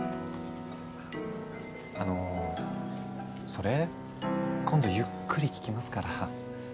あのそれ今度ゆっくり聞きますから。